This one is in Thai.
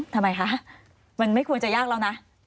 ทำไมคะมันไม่ควรจะยากแล้วนะ